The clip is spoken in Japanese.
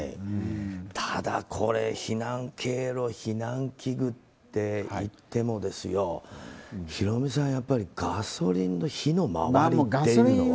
ただ避難経路、避難器具って言ってもヒロミさん、ガソリンの火の回りっていうのは。